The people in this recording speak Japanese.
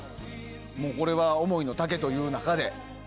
これは思いの丈という中で。